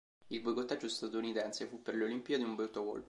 Il boicottaggio statunitense fu per le Olimpiadi un brutto colpo.